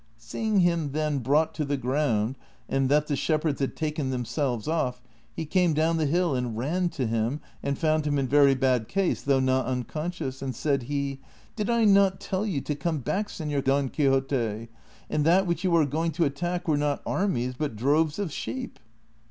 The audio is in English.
Seeing him, then, brought to the ground, and that the shepherds had taken themselves off, he came down the hill and ran to him and found him in very bad case, though not unconscious ; and said he, " Did I not tell you to come back, Senor Don Quixote ; and that what you were going to attack were not armies but droves of sheep